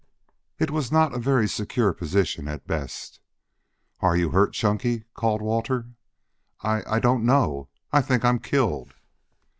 It was not a very secure position at best. "Are you hurt, Chunky?" called Walter. "I I don't know. I think I'm killed."